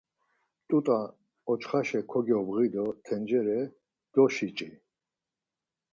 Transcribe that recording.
Mt̆ut̆a oçxaşe kogyobǧi do tencere doşiç̌i.